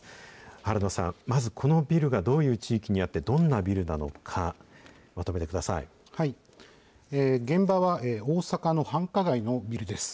原野さん、まずこのビルがどういう地域にあって、どんなビルなの現場は大阪の繁華街のビルです。